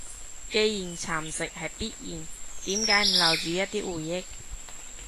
既然蠶蝕係必然，點解唔留住一啲回憶？